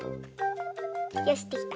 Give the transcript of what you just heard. よしできた。